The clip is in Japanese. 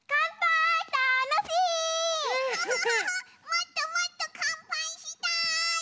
もっともっとかんぱいしたい！